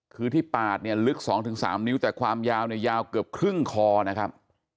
คือที่ปาดเนี่ยลึก๒๓นิ้วแต่ความยาวเนี่ยยาวเกือบครึ่งคอนะครับ